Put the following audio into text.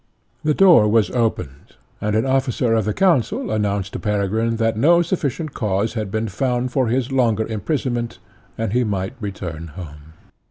The door was opened, and an officer of the council announced to Peregrine that no sufficient cause had been found for his longer imprisonment, and he might return home.